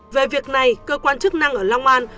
về việc này cơ quan chức năng ở long an